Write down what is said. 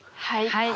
はい。